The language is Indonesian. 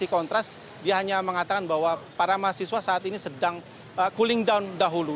kontras dia hanya mengatakan bahwa para mahasiswa saat ini sedang cooling down dahulu